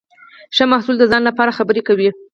ښه محصول د ځان لپاره خبرې کوي.